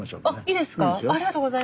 いいですよ。